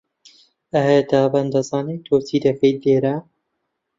ئایا دابان دەزانێت تۆ چی دەکەیت لێرە؟